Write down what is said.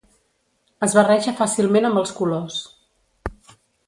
Es barreja fàcilment amb els colors.